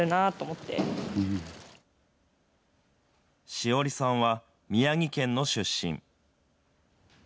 しおりさんは宮城県の出身。